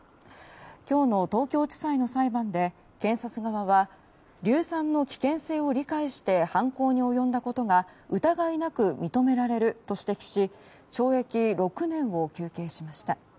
今日の東京地裁の裁判で検察側は硫酸の危険性を理解して犯行に及んだことが疑いなく認められると指摘し懲役６年を求刑しました。